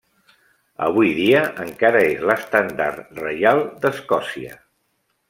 Avui dia encara és l'Estendard Reial d'Escòcia.